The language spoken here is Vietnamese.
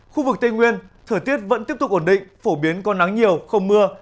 khu vực tây nguyên thời tiết vẫn tiếp tục ổn định phổ biến có nắng nhiều không mưa